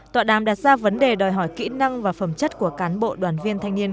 tọa đàm đặt ra vấn đề đòi hỏi kỹ năng và phẩm chất của cán bộ đoàn viên thanh niên